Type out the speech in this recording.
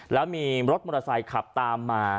แล้วมีรถมอเตอร์ไซค์ขับตามมา